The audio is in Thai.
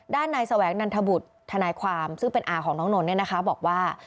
นายแสวงนันทบุตรทนายความซึ่งเป็นอาของน้องนนท์บอกว่า